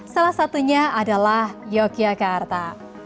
salah satunya adalah yogyakarta